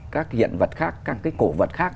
các hiện vật khác các cái cổ vật khác